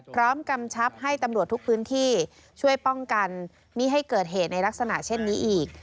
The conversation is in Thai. กำชับให้ตำรวจทุกพื้นที่ช่วยป้องกันไม่ให้เกิดเหตุในลักษณะเช่นนี้อีก